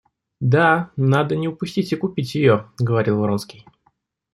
Да, надо не упустить и купить ее, — говорил Вронский.